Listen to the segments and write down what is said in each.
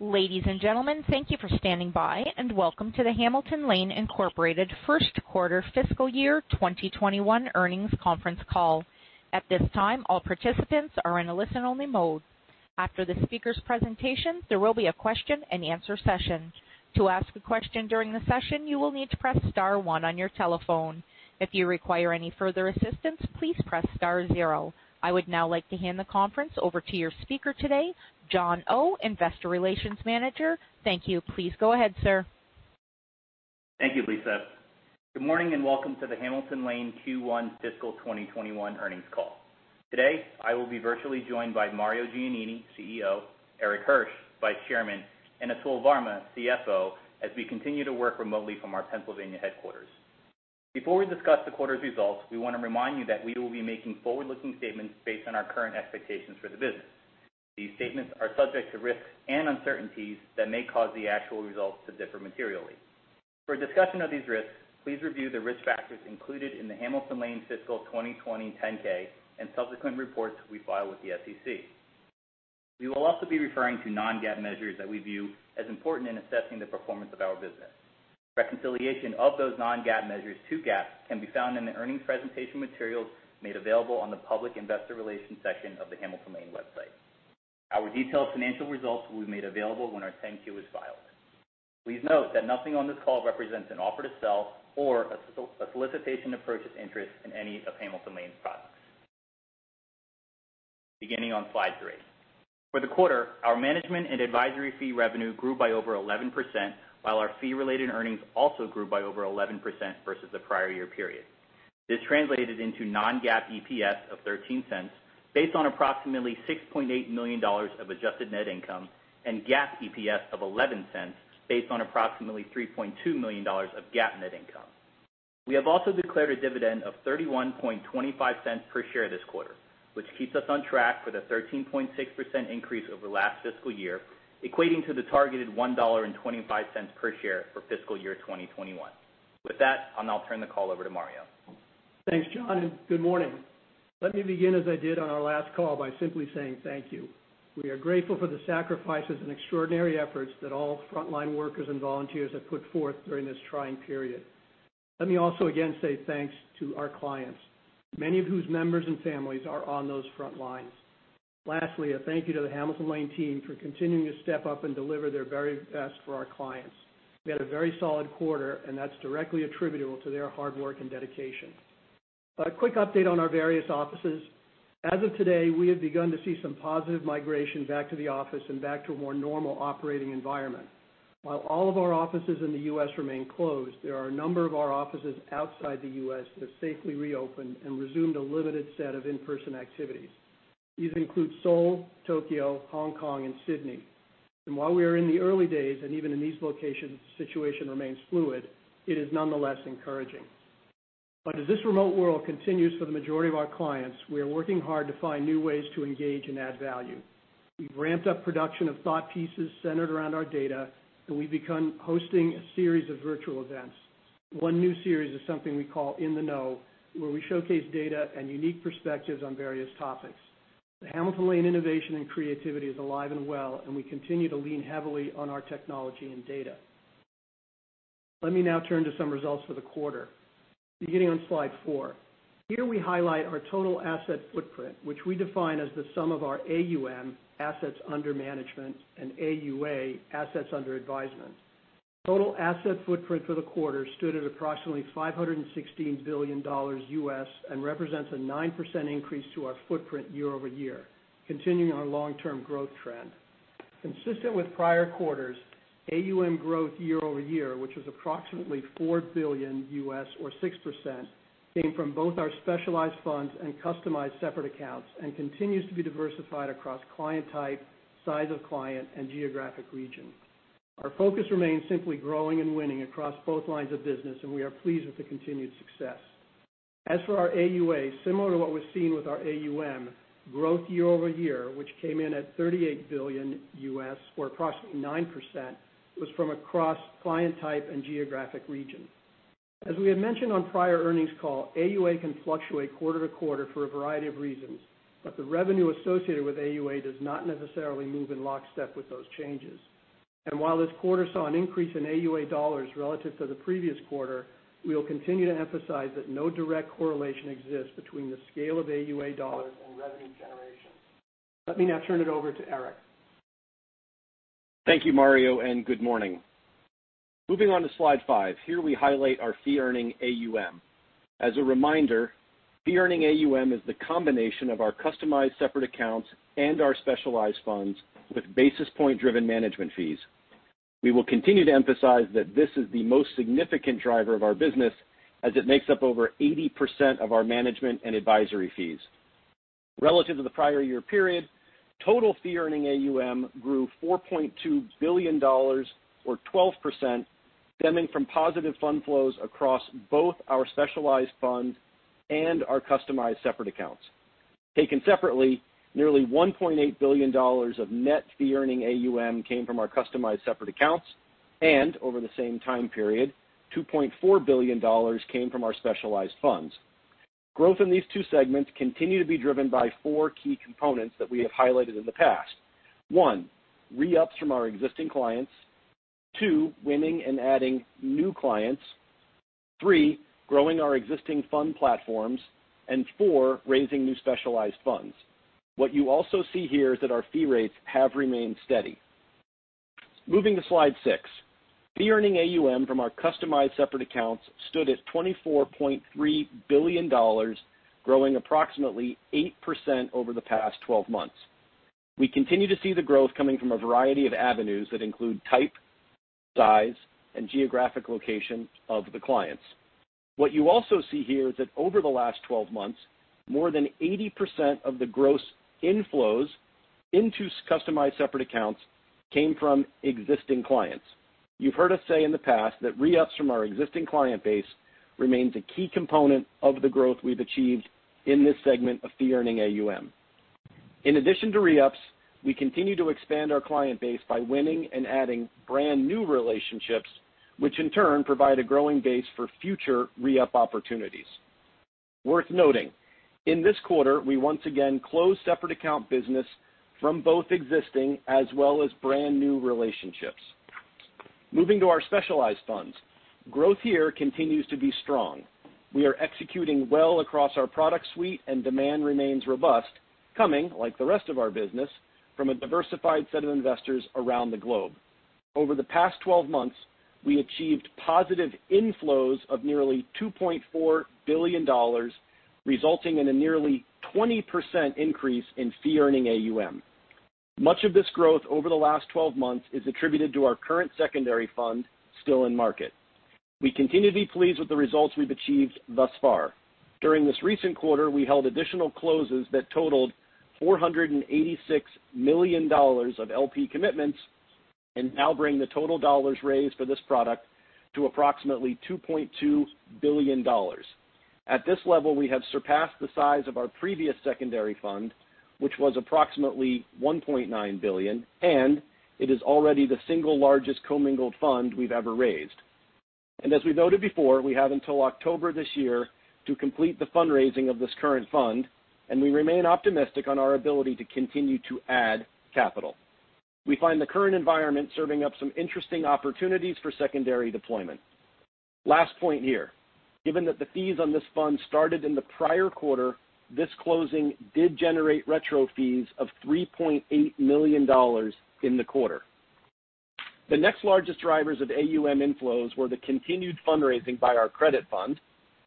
Ladies and gentlemen, thank you for standing by, and welcome to the Hamilton Lane Incorporated First Quarter Fiscal Year 2021 Earnings Conference Call. At this time, all participants are in a listen-only mode. After the speaker's presentation, there will be a question and answer session. To ask a question during the session, you will need to press star one on your telephone. If you require any further assistance, please press star zero. I would now like to hand the conference over to your speaker today, John Oh, investor relations manager. Thank you. Please go ahead, sir. Thank you, Lisa. Good morning and welcome to the Hamilton Lane Q1 fiscal 2021 earnings call. Today, I will be virtually joined by Mario Giannini, CEO, Erik Hirsch, Vice Chairman, and Atul Varma, CFO, as we continue to work remotely from our Pennsylvania headquarters. Before we discuss the quarter's results, we want to remind you that we will be making forward-looking statements based on our current expectations for the business. These statements are subject to risks and uncertainties that may cause the actual results to differ materially. For a discussion of these risks, please review the risk factors included in the Hamilton Lane fiscal 2020 10-K, and subsequent reports we file with the SEC. We will also be referring to non-GAAP measures that we view as important in assessing the performance of our business. Reconciliation of those non-GAAP measures to GAAP can be found in the earnings presentation materials made available on the public investor relations section of the Hamilton Lane website. Our detailed financial results will be made available when our 10-Q is filed. Please note that nothing on this call represents an offer to sell or a solicitation to purchase interest in any of Hamilton Lane's products. Beginning on slide three. For the quarter, our management and advisory fee revenue grew by over 11%, while our fee-related earnings also grew by over 11% versus the prior year period. This translated into non-GAAP EPS of $0.13, based on approximately $6.8 million of adjusted net income, and GAAP EPS of $0.11, based on approximately $3.2 million of GAAP net income. We have also declared a dividend of $0.3125 per share this quarter, which keeps us on track for the 13.6% increase over last fiscal year, equating to the targeted $1.25 per share for fiscal year 2021. With that, I'll now turn the call over to Mario. Thanks, John. Good morning. Let me begin as I did on our last call by simply saying thank you. We are grateful for the sacrifices and extraordinary efforts that all frontline workers and volunteers have put forth during this trying period. Let me also again say thanks to our clients, many of whose members and families are on those front lines. Lastly, a thank you to the Hamilton Lane team for continuing to step up and deliver their very best for our clients. We had a very solid quarter. That's directly attributable to their hard work and dedication. A quick update on our various offices. As of today, we have begun to see some positive migration back to the office and back to a more normal operating environment. While all of our offices in the U.S. remain closed, there are a number of our offices outside the U.S. that safely reopened and resumed a limited set of in-person activities. These include Seoul, Tokyo, Hong Kong, and Sydney. While we are in the early days, and even in these locations, the situation remains fluid, it is nonetheless encouraging. As this remote world continues for the majority of our clients, we are working hard to find new ways to engage and add value. We've ramped up production of thought pieces centered around our data, and we've begun hosting a series of virtual events. One new series is something we call In the Know, where we showcase data and unique perspectives on various topics. The Hamilton Lane innovation and creativity is alive and well, and we continue to lean heavily on our technology and data. Let me now turn to some results for the quarter. Beginning on slide four. Here we highlight our total asset footprint, which we define as the sum of our AUM, assets under management, and AUA, assets under advisement. Total asset footprint for the quarter stood at approximately $516 billion, represents a 9% increase to our footprint year-over-year, continuing our long-term growth trend. Consistent with prior quarters, AUM growth year-over-year, which was approximately $4 billion, or 6%, came from both our Specialized Funds and Customized Separate Accounts and continues to be diversified across client type, size of client, and geographic region. Our focus remains simply growing and winning across both lines of business, and we are pleased with the continued success. As for our AUA, similar to what was seen with our AUM, growth year-over-year, which came in at $38 billion or approximately 9%, was from across client type and geographic region. As we had mentioned on prior earnings call, AUA can fluctuate quarter-to-quarter for a variety of reasons, but the revenue associated with AUA does not necessarily move in lockstep with those changes. While this quarter saw an increase in AUA dollars relative to the previous quarter, we will continue to emphasize that no direct correlation exists between the scale of AUA dollars and revenue generation. Let me now turn it over to Erik. Thank you, Mario, and good morning. Moving on to slide five. Here we highlight our fee-earning AUM. As a reminder, fee-earning AUM is the combination of our customized separate accounts and our specialized funds with basis point-driven management fees. We will continue to emphasize that this is the most significant driver of our business as it makes up over 80% of our management and advisory fees. Relative to the prior year period, total fee-earning AUM grew $4.2 billion or 12%, stemming from positive fund flows across both our specialized funds and our customized separate accounts. Taken separately, nearly $1.8 billion of net fee-earning AUM came from our customized separate accounts, and over the same time period, $2.4 billion came from our specialized funds. Growth in these two segments continue to be driven by four key components that we have highlighted in the past. One, re-ups from our existing clients. Two, winning and adding new clients. Three, growing our existing fund platforms. Four, raising new specialized funds. What you also see here is that our fee rates have remained steady. Moving to slide six. fee-earning AUM from our customized separate accounts stood at $24.3 billion, growing approximately 8% over the past 12 months. We continue to see the growth coming from a variety of avenues that include type, size, and geographic location of the clients. What you also see here is that over the last 12 months, more than 80% of the gross inflows into customized separate accounts came from existing clients. You've heard us say in the past that re-ups from our existing client base remains a key component of the growth we've achieved in this segment of fee-earning AUM. In addition to re-ups, we continue to expand our client base by winning and adding brand-new relationships, which in turn provide a growing base for future re-up opportunities. Worth noting, in this quarter, we once again closed separate account business from both existing as well as brand-new relationships. Moving to our specialized funds. Growth here continues to be strong. We are executing well across our product suite, and demand remains robust, coming, like the rest of our business, from a diversified set of investors around the globe. Over the past 12 months, we achieved positive inflows of nearly $2.4 billion, resulting in a nearly 20% increase in fee-earning AUM. Much of this growth over the last 12 months is attributed to our current secondary fund still in market. We continue to be pleased with the results we've achieved thus far. During this recent quarter, we held additional closes that totaled $486 million of LP commitments and now bring the total dollars raised for this product to approximately $2.2 billion. At this level, we have surpassed the size of our previous secondary fund, which was approximately $1.9 billion, and it is already the single largest commingled fund we've ever raised. As we noted before, we have until October this year to complete the fundraising of this current fund, and we remain optimistic on our ability to continue to add capital. We find the current environment serving up some interesting opportunities for secondary deployment. Last point here. Given that the fees on this fund started in the prior quarter, this closing did generate retro fees of $3.8 million in the quarter. The next largest drivers of AUM inflows were the continued fundraising by our credit fund,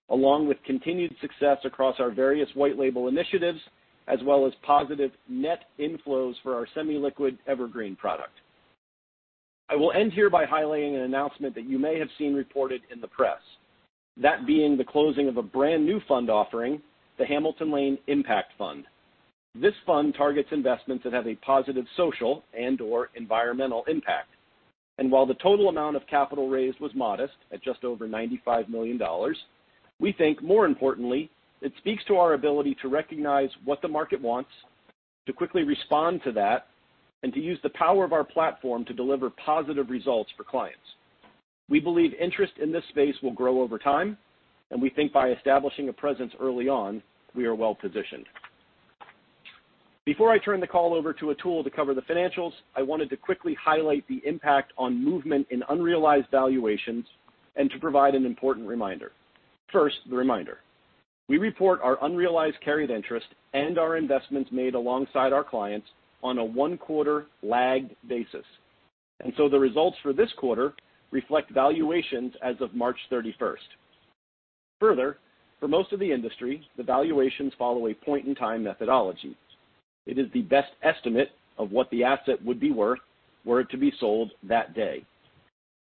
along with continued success across our various white label initiatives, as well as positive net inflows for our semi-liquid Evergreen product. I will end here by highlighting an announcement that you may have seen reported in the press, that being the closing of a brand new fund offering, the Hamilton Lane Impact Fund. This fund targets investments that have a positive social and/or environmental impact. While the total amount of capital raised was modest, at just over $95 million, we think more importantly, it speaks to our ability to recognize what the market wants, to quickly respond to that, and to use the power of our platform to deliver positive results for clients. We believe interest in this space will grow over time, and we think by establishing a presence early on, we are well-positioned. Before I turn the call over to Atul to cover the financials, I wanted to quickly highlight the impact on movement in unrealized valuations and to provide an important reminder. First, the reminder. We report our unrealized carried interest and our investments made alongside our clients on a one-quarter lagged basis. The results for this quarter reflect valuations as of March 31st. Further, for most of the industry, the valuations follow a point-in-time methodology. It is the best estimate of what the asset would be worth were it to be sold that day.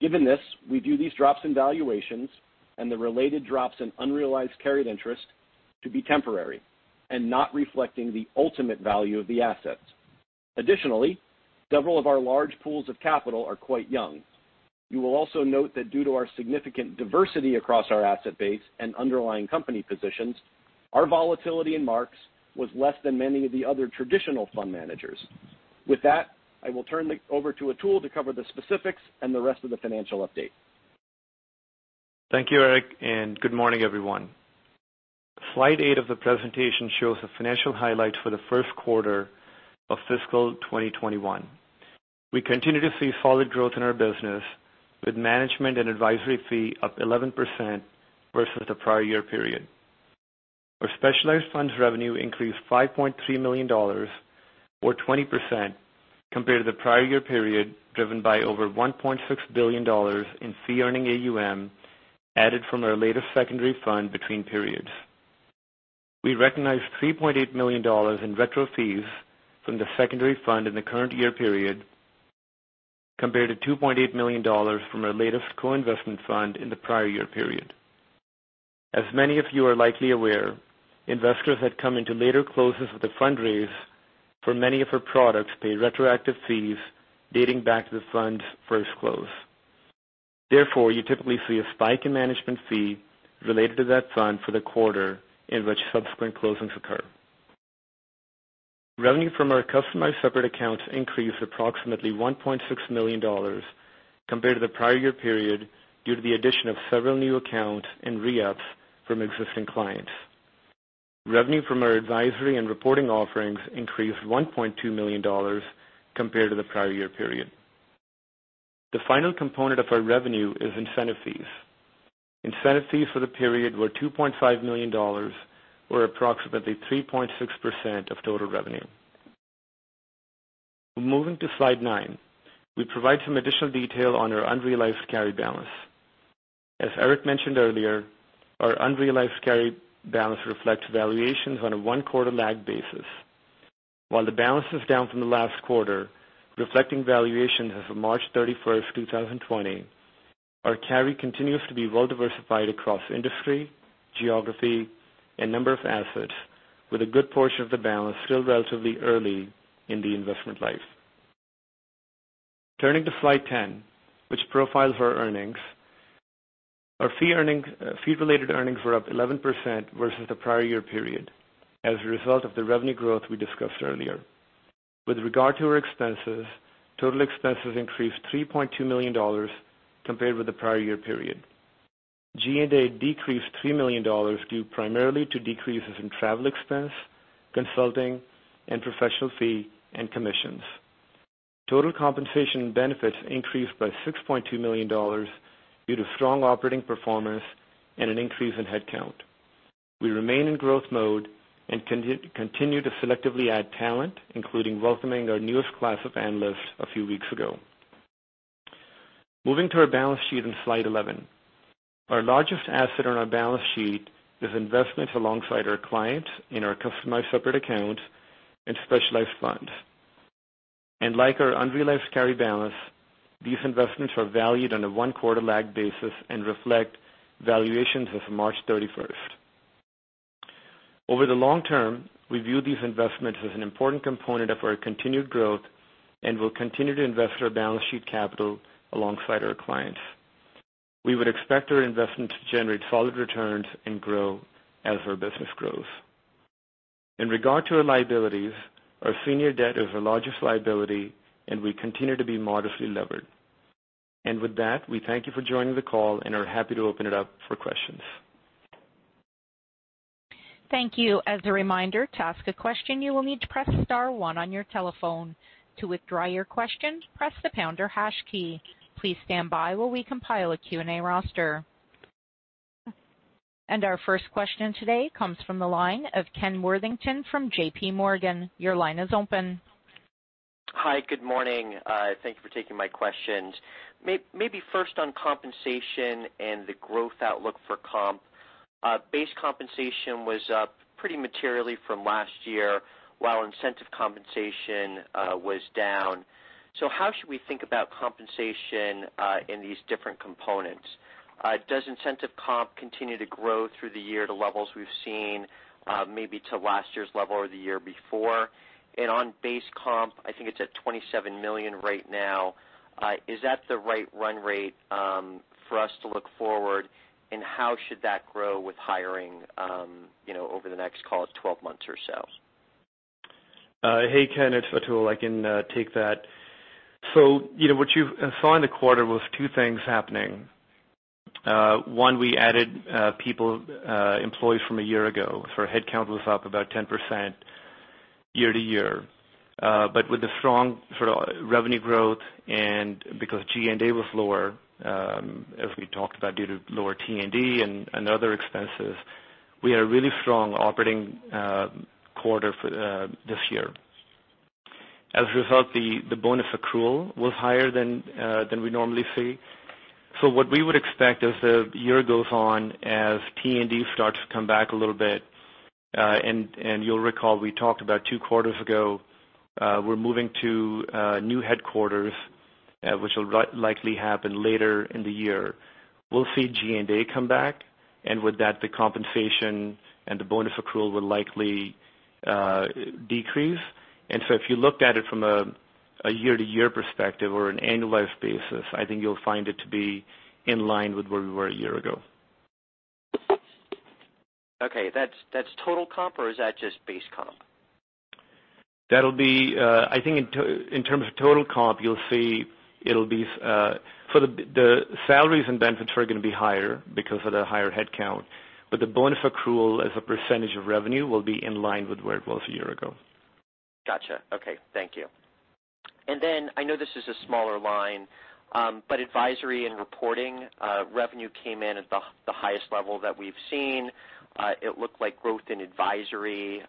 Given this, we view these drops in valuations and the related drops in unrealized carried interest to be temporary and not reflecting the ultimate value of the assets. Additionally, several of our large pools of capital are quite young. You will also note that due to our significant diversity across our asset base and underlying company positions, our volatility in marks was less than many of the other traditional fund managers. With that, I will turn it over to Atul to cover the specifics and the rest of the financial update. Thank you, Erik, good morning, everyone. Slide eight of the presentation shows the financial highlights for the first quarter of fiscal 2021. We continue to see solid growth in our business, with management and advisory fee up 11% versus the prior year period. Our specialized funds revenue increased $5.3 million, or 20%, compared to the prior year period, driven by over $1.6 billion in fee-earning AUM added from our latest secondary fund between periods. We recognized $3.8 million in retro fees from the secondary fund in the current year period, compared to $2.8 million from our latest co-investment fund in the prior year period. As many of you are likely aware, investors that come into later closes of the fund raise for many of our products pay retroactive fees dating back to the fund's first close. You typically see a spike in management fee related to that fund for the quarter in which subsequent closings occur. Revenue from our customized separate accounts increased approximately $1.6 million compared to the prior year period due to the addition of several new accounts and re-ups from existing clients. Revenue from our advisory and reporting offerings increased $1.2 million compared to the prior year period. The final component of our revenue is incentive fees. Incentive fees for the period were $2.5 million, or approximately 3.6% of total revenue. Moving to slide nine, we provide some additional detail on our unrealized carry balance. As Erik mentioned earlier, our unrealized carry balance reflects valuations on a one-quarter lag basis. While the balance is down from the last quarter, reflecting valuations as of March 31st, 2020, our carry continues to be well diversified across industry, geography, and number of assets with a good portion of the balance still relatively early in the investment life. Turning to slide 10, which profiles our earnings, our fee-related earnings were up 11% versus the prior year period as a result of the revenue growth we discussed earlier. With regard to our expenses, total expenses increased $3.2 million compared with the prior year period. G&A decreased $3 million due primarily to decreases in travel expense, consulting, and professional fee and commissions. Total compensation benefits increased by $6.2 million due to strong operating performance and an increase in head count. We remain in growth mode and continue to selectively add talent, including welcoming our newest class of analysts a few weeks ago. Moving to our balance sheet in slide 11. Our largest asset on our balance sheet is investments alongside our clients in our customized separate accounts and specialized funds. Like our unrealized carry balance, these investments are valued on a one-quarter lag basis and reflect valuations as of March 31st. Over the long term, we view these investments as an important component of our continued growth and will continue to invest our balance sheet capital alongside our clients. We would expect our investment to generate solid returns and grow as our business grows. In regard to our liabilities, our senior debt is our largest liability, and we continue to be modestly levered. With that, we thank you for joining the call and are happy to open it up for questions. Thank you. As a reminder, to ask a question, you will need to press star one on your telephone. To withdraw your question, press the pound or hash key. Please stand by while we compile a Q&A roster. Our first question today comes from the line of Ken Worthington from JPMorgan. Your line is open. Hi, good morning. Thank you for taking my questions. Maybe first on compensation and the growth outlook for comp. Base compensation was up pretty materially from last year, while incentive compensation was down. How should we think about compensation in these different components? Does incentive comp continue to grow through the year to levels we've seen, maybe to last year's level or the year before? On base comp, I think it's at $27 million right now. Is that the right run rate for us to look forward, and how should that grow with hiring over the next, call it, 12 months or so? Hey, Ken. It's Atul. I can take that. What you saw in the quarter was two things happening. One, we added people, employees from a year ago. Our headcount was up about 10% year-to-year. With the strong revenue growth and because G&A was lower, as we talked about, due to lower T&E and other expenses, we had a really strong operating quarter this year. As a result, the bonus accrual was higher than we normally see. What we would expect as the year goes on, as T&E starts to come back a little bit, and you'll recall we talked about two quarters ago, we're moving to new headquarters, which will likely happen later in the year. We'll see G&A come back, and with that, the compensation and the bonus accrual will likely decrease. If you looked at it from a year-to-year perspective or an annualized basis, I think you'll find it to be in line with where we were a year ago. Okay. That's total comp, or is that just base comp? I think in terms of total comp, the salaries and benefits are going to be higher because of the higher head count, but the bonus accrual as a % of revenue will be in line with where it was a year ago. Got you. Okay. Thank you. Then I know this is a smaller line, but advisory and reporting revenue came in at the highest level that we've seen. It looked like growth in advisory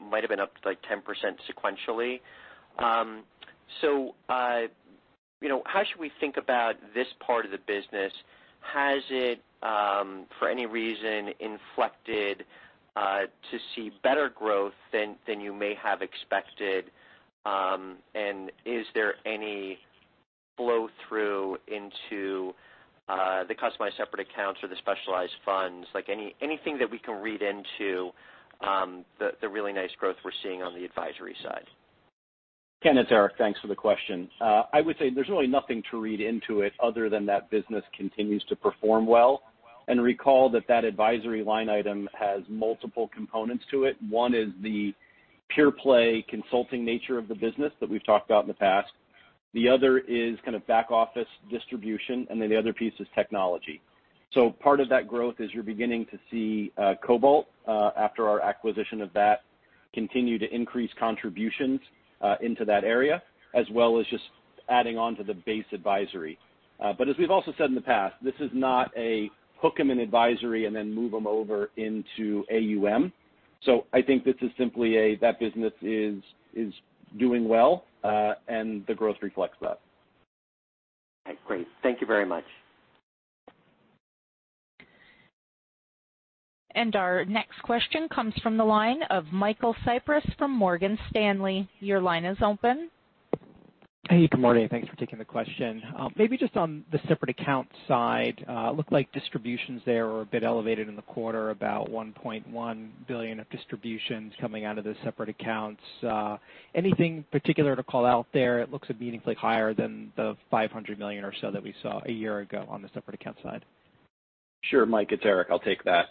might've been up to 10% sequentially. How should we think about this part of the business? Has it, for any reason, inflected to see better growth than you may have expected, and is there any flow-through into the customized separate accounts or the specialized funds? Anything that we can read into the really nice growth we're seeing on the advisory side? Ken, it's Erik. Thanks for the question. I would say there's really nothing to read into it other than that business continues to perform well. Recall that advisory line item has multiple components to it. One is the pure play consulting nature of the business that we've talked about in the past. The other is kind of back office distribution, and then the other piece is technology. Part of that growth is you're beginning to see Cobalt, after our acquisition of that, continue to increase contributions into that area, as well as just adding onto the base advisory. As we've also said in the past, this is not a hook them in advisory and then move them over into AUM. I think this is simply that business is doing well, and the growth reflects that. All right. Great. Thank you very much. Our next question comes from the line of Michael Cyprys from Morgan Stanley. Your line is open. Hey, good morning. Thanks for taking the question. Maybe just on the separate account side. Looked like distributions there were a bit elevated in the quarter, about $1.1 billion of distributions coming out of the separate accounts. Anything particular to call out there? It looks meaningfully higher than the $500 million or so that we saw a year ago on the separate account side. Sure, Mike, it's Erik. I'll take that.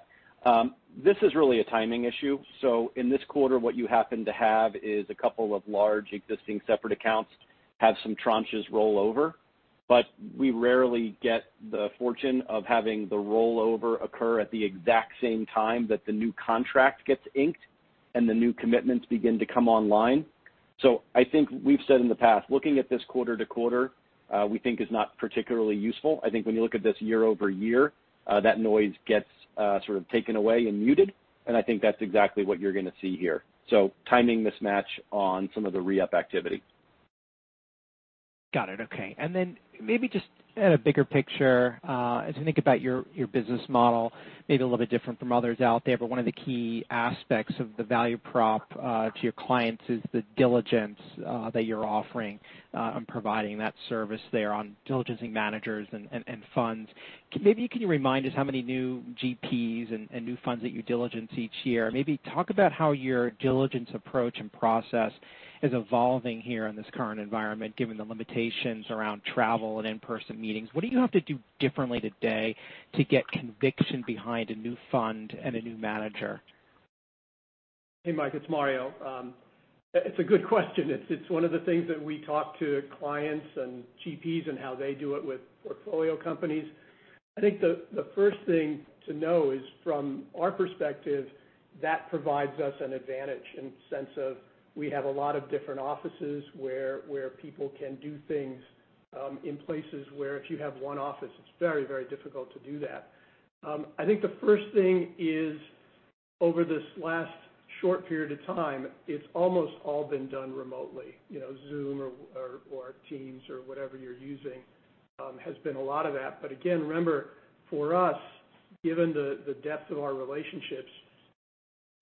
This is really a timing issue. In this quarter, what you happen to have is a couple of large existing separate accounts have some tranches roll over. We rarely get the fortune of having the rollover occur at the exact same time that the new contract gets inked and the new commitments begin to come online. I think we've said in the past, looking at this quarter-to-quarter, we think is not particularly useful. I think when you look at this year-over-year, that noise gets sort of taken away and muted, and I think that's exactly what you're going to see here. Timing mismatch on some of the re-up activity. Got it. Okay. Maybe just at a bigger picture, as you think about your business model, maybe a little bit different from others out there, but one of the key aspects of the value prop to your clients is the diligence that you're offering, and providing that service there on diligencing managers and funds. Maybe can you remind us how many new GPs and new funds that you diligence each year? Maybe talk about how your diligence approach and process is evolving here in this current environment, given the limitations around travel and in-person meetings. What do you have to do differently today to get conviction behind a new fund and a new manager? Hey, Mike, it's Mario. It's a good question. It's one of the things that we talk to clients and GPs and how they do it with portfolio companies. I think the first thing to know is from our perspective, that provides us an advantage in sense of we have a lot of different offices where people can do things in places where if you have one office, it's very, very difficult to do that. I think the first thing is over this last short period of time, it's almost all been done remotely. Zoom or Teams or whatever you're using has been a lot of that. Again, remember for us, given the depth of our relationships,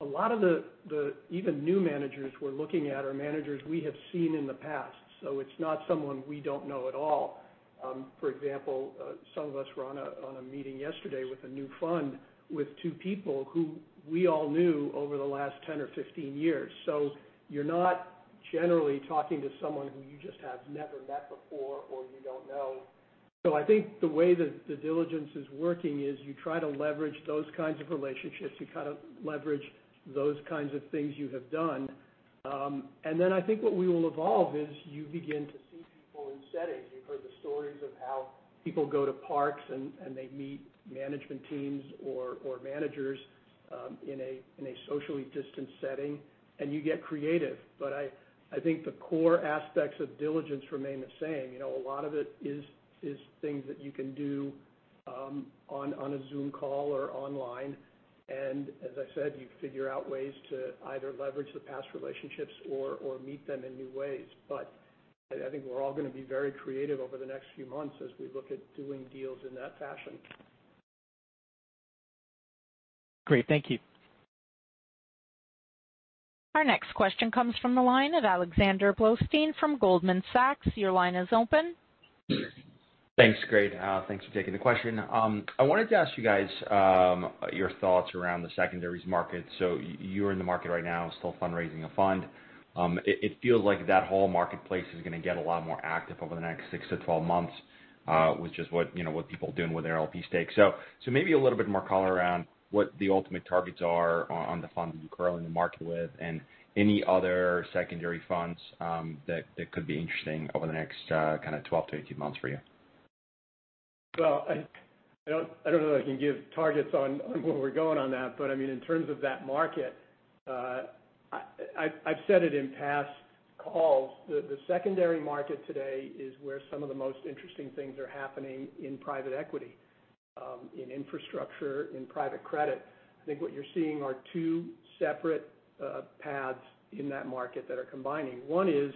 a lot of the even new managers we're looking at are managers we have seen in the past. It's not someone we don't know at all. For example, some of us were on a meeting yesterday with a new fund with two people who we all knew over the last 10 or 15 years. You're not generally talking to someone who you just have never met before or you don't know. I think the way that the diligence is working is you try to leverage those kinds of relationships. You kind of leverage those kinds of things you have done. I think what we will evolve is you begin to see people in settings. You've heard the stories of how people go to parks, and they meet management teams or managers in a socially distant setting, and you get creative. I think the core aspects of diligence remain the same. A lot of it is things that you can do on a Zoom call or online. As I said, you figure out ways to either leverage the past relationships or meet them in new ways. I think we're all going to be very creative over the next few months as we look at doing deals in that fashion. Great. Thank you. Our next question comes from the line of Alexander Blostein from Goldman Sachs. Your line is open. Thanks. Great. Thanks for taking the question. I wanted to ask you guys your thoughts around the secondaries market. You're in the market right now still fundraising a fund. It feels like that whole marketplace is going to get a lot more active over the next 6 to 12 months, with just what people are doing with their LP stakes. Maybe a little bit more color around what the ultimate targets are on the fund that you're currently in the market with, and any other secondary funds that could be interesting over the next kind of 12 to 18 months for you. Well, I don't know that I can give targets on where we're going on that, but in terms of that market, I've said it in past calls. The secondary market today is where some of the most interesting things are happening in private equity, in infrastructure, in private credit. I think what you're seeing are two separate paths in that market that are combining. One is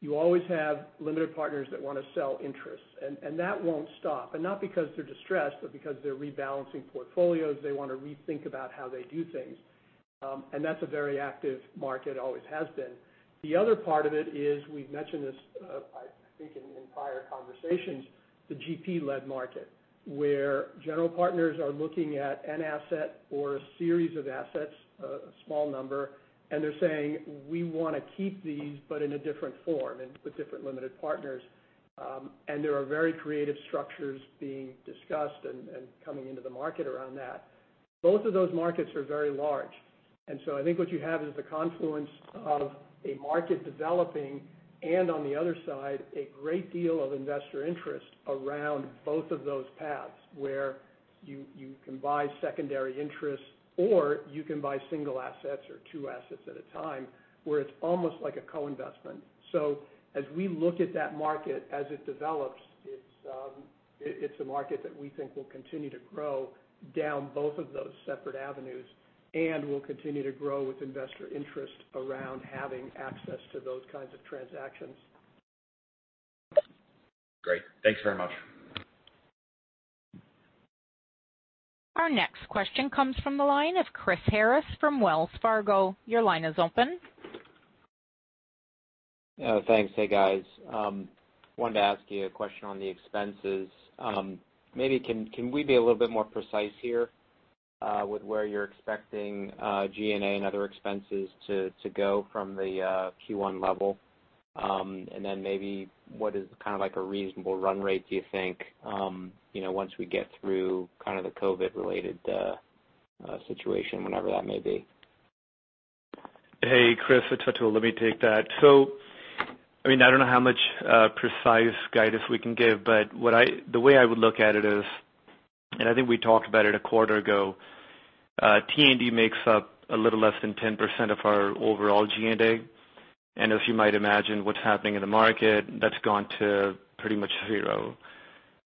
you always have limited partners that want to sell interests, and that won't stop. Not because they're distressed, but because they're rebalancing portfolios. They want to rethink about how they do things. That's a very active market, always has been. The other part of it is, we've mentioned this. I think in prior conversations, the GP-led market, where General Partners are looking at an asset or a series of assets, a small number, and they're saying, "We want to keep these, but in a different form and with different Limited Partners." There are very creative structures being discussed and coming into the market around that. Both of those markets are very large. I think what you have is the confluence of a market developing, and on the other side, a great deal of investor interest around both of those paths, where you can buy secondary interests, or you can buy single assets or two assets at a time, where it's almost like a co-investment. As we look at that market, as it develops, it's a market that we think will continue to grow down both of those separate avenues and will continue to grow with investor interest around having access to those kinds of transactions. Great. Thanks very much. Our next question comes from the line of Chris Harris from Wells Fargo. Your line is open. Yeah, thanks. Hey, guys. Wanted to ask you a question on the expenses. Can we be a little bit more precise here with where you're expecting G&A and other expenses to go from the Q1 level? What is kind of like a reasonable run rate, do you think, once we get through kind of the COVID-related situation, whenever that may be? Hey, Chris, it's Atul. Let me take that. I don't know how much precise guidance we can give, but the way I would look at it is, and I think we talked about it a quarter ago, T&E makes up a little less than 10% of our overall G&A. As you might imagine, what's happening in the market, that's gone to pretty much zero.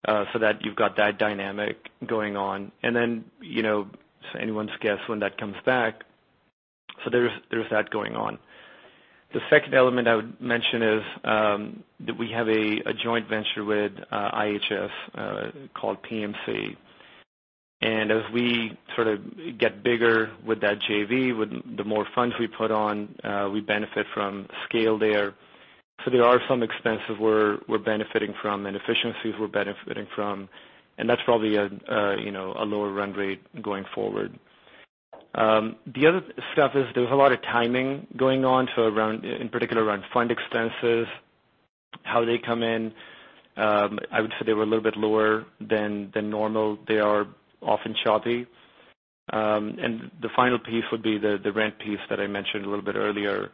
That you've got that dynamic going on. It's anyone's guess when that comes back. There's that going on. The second element I would mention is that we have a joint venture with IHS called PMC. As we sort of get bigger with that JV, the more funds we put on, we benefit from scale there. There are some expenses we're benefiting from and efficiencies we're benefiting from. That's probably a lower run rate going forward. The other stuff is there's a lot of timing going on, so in particular around fund expenses, how they come in. I would say they were a little bit lower than normal. They are often choppy. The final piece would be the rent piece that I mentioned a little bit earlier.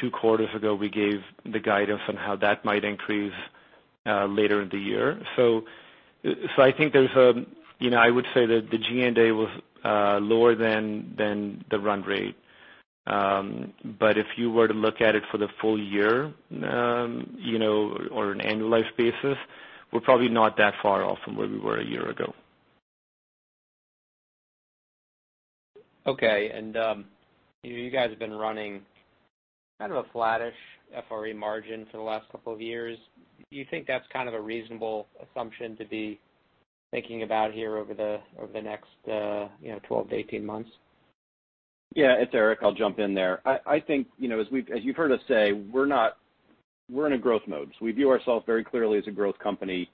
Two quarters ago, we gave the guidance on how that might increase later in the year. I would say that the G&A was lower than the run rate. If you were to look at it for the full year or an annualized basis, we're probably not that far off from where we were a year ago. Okay. You guys have been running kind of a flattish FRE margin for the last couple of years. Do you think that's kind of a reasonable assumption to be thinking about here over the next 12-18 months? Yeah. It's Erik. I'll jump in there. I think as you've heard us say, we're in a growth mode. We view ourselves very clearly as a growth company.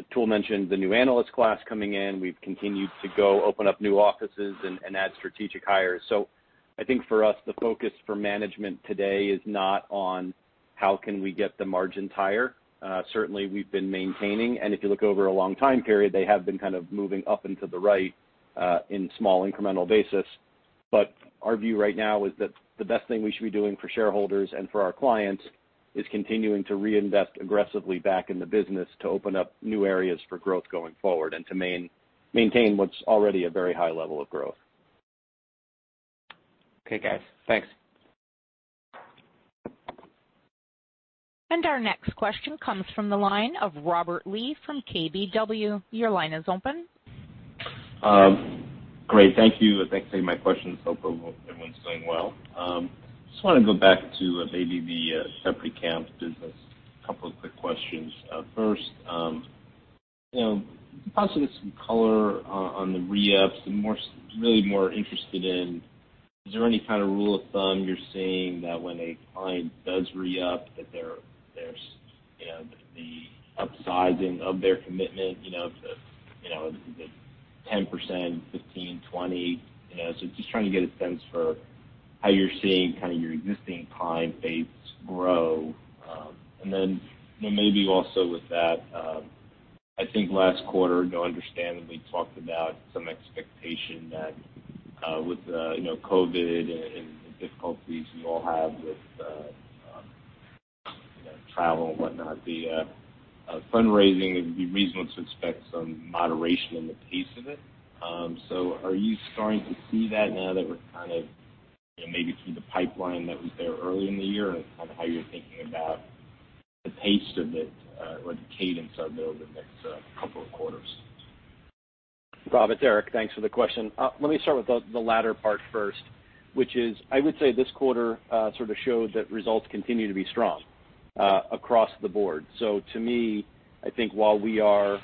Atul mentioned the new analyst class coming in. We've continued to go open up new offices and add strategic hires. I think for us, the focus for management today is not on how can we get the margin higher. Certainly, we've been maintaining, and if you look over a long time period, they have been kind of moving up and to the right in small incremental basis. Our view right now is that the best thing we should be doing for shareholders and for our clients is continuing to reinvest aggressively back in the business to open up new areas for growth going forward and to maintain what's already a very high level of growth. Okay, guys. Thanks. Our next question comes from the line of Robert Lee from KBW. Your line is open. Great. Thank you. Thanks for taking my question. Hope everyone's doing well. Just want to go back to maybe the separate accounts business, couple of quick questions. First, can possibly get some color on the re-ups. I'm really more interested in, is there any kind of rule of thumb you're seeing that when a client does re-up that there's the upsizing of their commitment to 10%, 15%, 20%? Just trying to get a sense for how you're seeing kind of your existing client base grow. Maybe also with that, I think last quarter, you know, understandably talked about some expectation that with COVID and the difficulties you all have with travel and whatnot, the fundraising, it would be reasonable to expect some moderation in the pace of it. Are you starting to see that now that we're kind of maybe through the pipeline that was there early in the year and kind of how you're thinking about the pace of it or the cadence of it over the next couple of quarters? Rob, it's Erik. Thanks for the question. Let me start with the latter part first, which is I would say this quarter sort of showed that results continue to be strong across the board. To me, I think while we are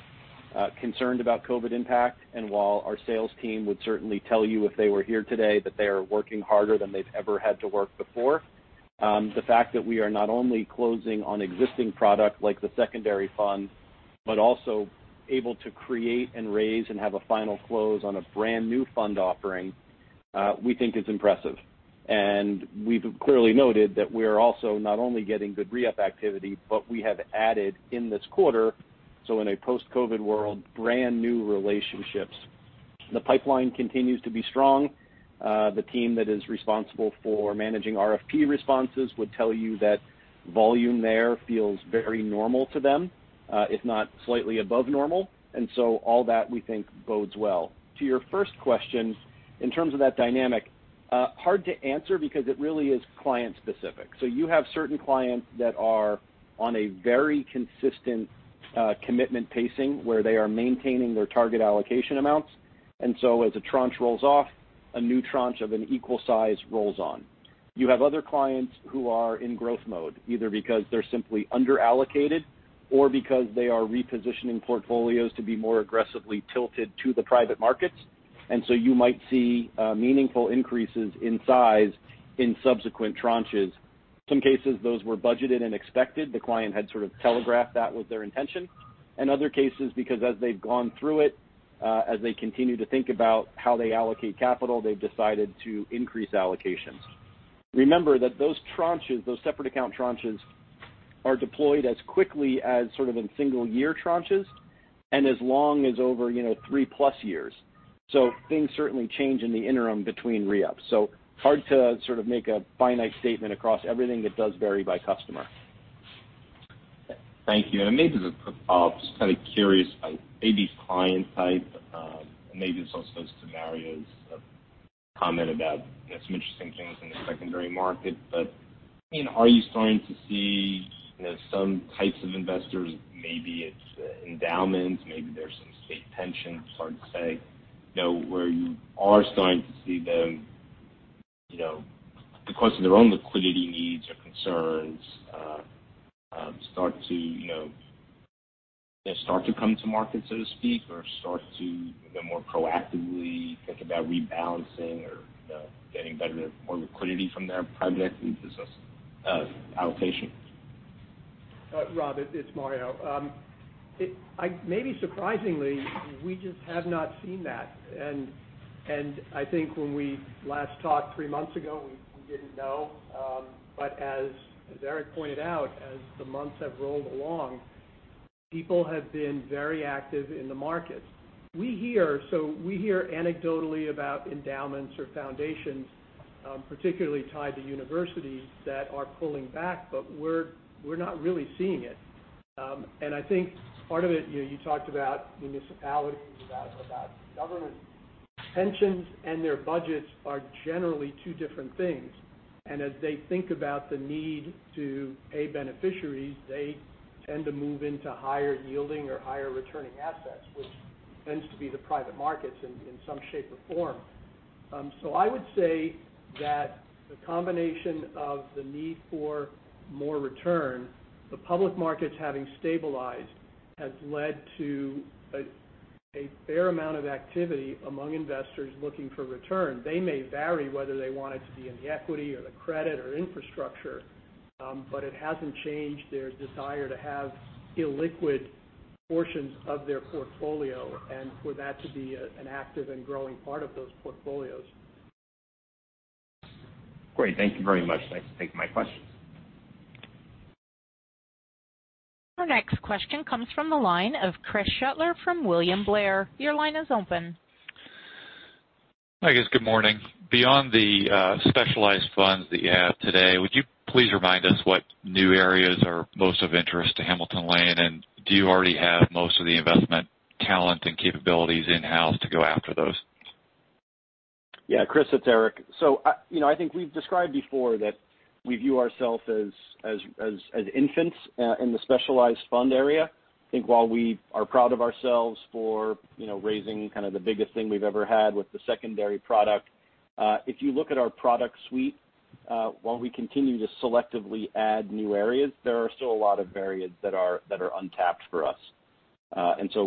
concerned about COVID impact, and while our sales team would certainly tell you if they were here today that they are working harder than they've ever had to work before, the fact that we are not only closing on existing product like the secondary fund, but also able to create and raise and have a final close on a brand-new fund offering, we think is impressive. We've clearly noted that we are also not only getting good re-up activity, but we have added in this quarter, so in a post-COVID world, brand-new relationships. The pipeline continues to be strong. The team that is responsible for managing RFP responses would tell you that volume there feels very normal to them, if not slightly above normal. All that we think bodes well. To your first question, in terms of that dynamic, hard to answer because it really is client specific. You have certain clients that are on a very consistent commitment pacing, where they are maintaining their target allocation amounts. As a tranche rolls off, a new tranche of an equal size rolls on. You have other clients who are in growth mode, either because they're simply under-allocated or because they are repositioning portfolios to be more aggressively tilted to the private markets. You might see meaningful increases in size in subsequent tranches. Some cases, those were budgeted and expected. The client had sort of telegraphed that was their intention. In other cases, because as they've gone through it, as they continue to think about how they allocate capital, they've decided to increase allocations. Remember that those tranches, those separate account tranches, are deployed as quickly as sort of in single-year tranches, and as long as over three-plus years. Things certainly change in the interim between re-ups. Hard to sort of make a finite statement across everything that does vary by customer. Thank you. Maybe just kind of curious about maybe client type, maybe it's also scenarios of comment about some interesting things in the secondary market. Are you starting to see some types of investors, maybe it's endowments, maybe there's some state pensions, hard to say, where you are starting to see them, because of their own liquidity needs or concerns, start to come to market, so to speak, or start to more proactively think about rebalancing or getting more liquidity from their private equity allocation? Rob, it's Mario. Maybe surprisingly, we just have not seen that. I think when we last talked three months ago, we didn't know. As Erik pointed out, as the months have rolled along, people have been very active in the markets. We hear anecdotally about endowments or foundations, particularly tied to universities that are pulling back, but we're not really seeing it. I think part of it, you talked about municipalities, about government pensions, and their budgets are generally two different things. As they think about the need to pay beneficiaries, they tend to move into higher yielding or higher returning assets, which tends to be the private markets in some shape or form. I would say that the combination of the need for more return, the public markets having stabilized, has led to a fair amount of activity among investors looking for return. They may vary whether they want it to be in the equity or the credit or infrastructure, but it hasn't changed their desire to have illiquid portions of their portfolio, and for that to be an active and growing part of those portfolios. Great. Thank you very much. Thanks for taking my questions. Our next question comes from the line of Chris Schoettler from William Blair. Your line is open. Hi, guys. Good morning. Beyond the specialized funds that you have today, would you please remind us what new areas are most of interest to Hamilton Lane? Do you already have most of the investment talent and capabilities in-house to go after those? Yeah, Chris, it's Erik. I think we've described before that we view ourself as infants in the specialized fund area. I think while we are proud of ourselves for raising the biggest thing we've ever had with the secondary product, if you look at our product suite, while we continue to selectively add new areas, there are still a lot of areas that are untapped for us.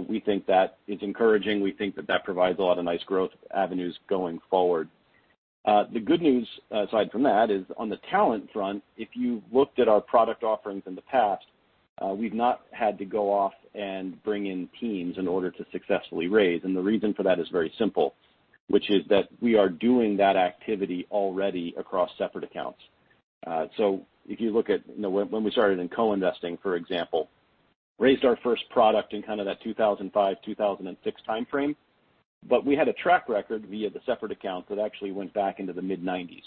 We think that is encouraging. We think that that provides a lot of nice growth avenues going forward. The good news aside from that is on the talent front, if you looked at our product offerings in the past, we've not had to go off and bring in teams in order to successfully raise. The reason for that is very simple, which is that we are doing that activity already across separate accounts. If you look at when we started in co-investing, for example, raised our first product in kind of that 2005, 2006 timeframe. We had a track record via the separate accounts that actually went back into the mid-1990s.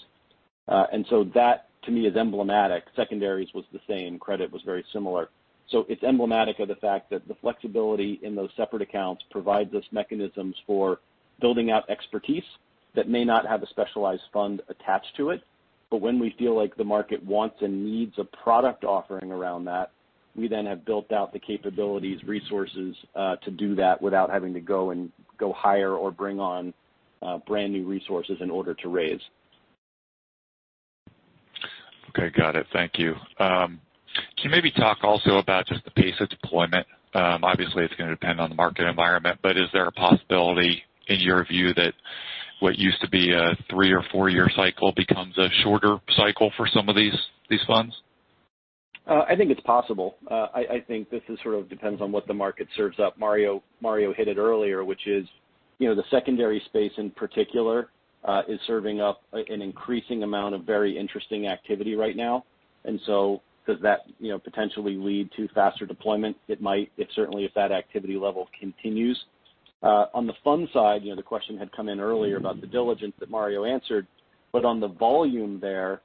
That to me is emblematic. Secondaries was the same. Credit was very similar. It's emblematic of the fact that the flexibility in those separate accounts provides us mechanisms for building out expertise that may not have a specialized fund attached to it. When we feel like the market wants and needs a product offering around that, we then have built out the capabilities, resources to do that without having to go and go hire or bring on brand-new resources in order to raise. Okay, got it. Thank you. Can you maybe talk also about just the pace of deployment? Obviously, it's going to depend on the market environment, but is there a possibility, in your view, that what used to be a three or four-year cycle becomes a shorter cycle for some of these funds? I think it's possible. I think this sort of depends on what the market serves up. Mario hit it earlier, which is the secondary space in particular is serving up an increasing amount of very interesting activity right now. Does that potentially lead to faster deployment? It might, certainly if that activity level continues. On the fund side, the question had come in earlier about the diligence that Mario answered. On the volume there,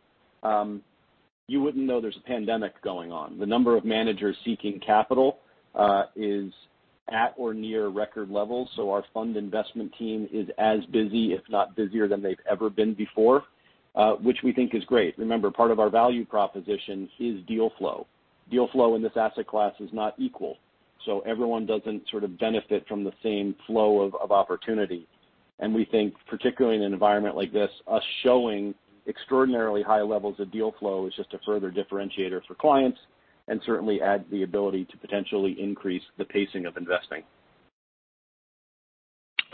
you wouldn't know there's a pandemic going on. The number of managers seeking capital is at or near record levels, so our fund investment team is as busy, if not busier than they've ever been before, which we think is great. Remember, part of our value proposition is deal flow. Deal flow in this asset class is not equal, so everyone doesn't sort of benefit from the same flow of opportunity. We think, particularly in an environment like this, us showing extraordinarily high levels of deal flow is just a further differentiator for clients and certainly adds the ability to potentially increase the pacing of investing.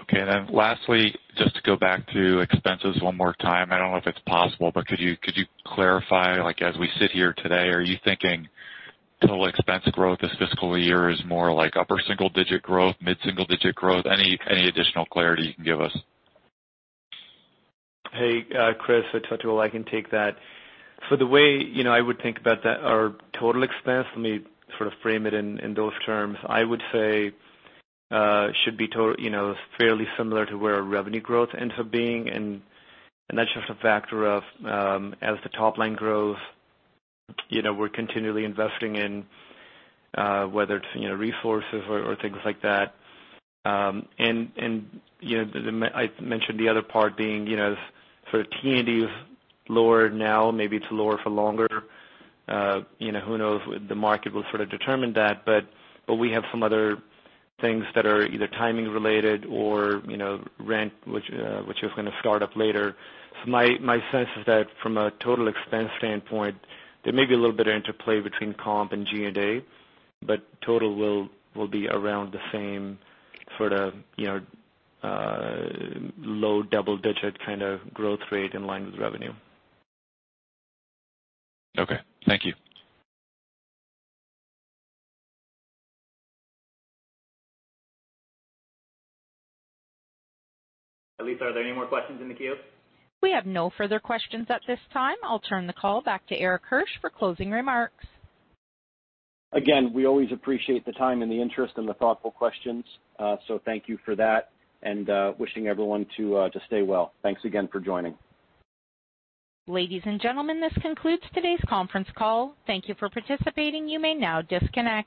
Okay, lastly, just to go back to expenses one more time. I don't know if it's possible, but could you clarify, as we sit here today, are you thinking total expense growth this fiscal year is more like upper single-digit growth, mid-single-digit growth? Any additional clarity you can give us? Hey, Chris. Total, I can take that. The way I would think about that, our total expense, let me sort of frame it in those terms. I would say should be fairly similar to where our revenue growth ends up being. That's just a factor of as the top line grows, we're continually investing in whether it's resources or things like that. I mentioned the other part being sort of T&E lower now, maybe it's lower for longer. Who knows? The market will sort of determine that. We have some other things that are either timing related or rent, which is going to start up later. My sense is that from a total expense standpoint, there may be a little bit of interplay between comp and G&A, but total will be around the same sort of low double-digit kind of growth rate in line with revenue. Okay. Thank you. Lisa, are there any more questions in the queue? We have no further questions at this time. I'll turn the call back to Erik Hirsch for closing remarks. Again, we always appreciate the time and the interest and the thoughtful questions. Thank you for that. Wishing everyone to stay well. Thanks again for joining. Ladies and gentlemen, this concludes today's conference call. Thank you for participating. You may now disconnect.